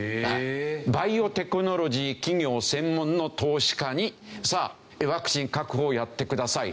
バイオテクノロジー企業専門の投資家にさあワクチン確保をやってください。